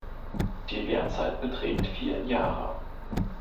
Die Lehrzeit beträgt vier Jahre.